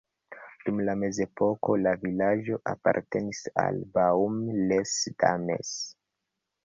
Dum la mezepoko la vilaĝo apartenis al Baume-les-Dames.